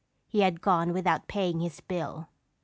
He had gone without paying his bill.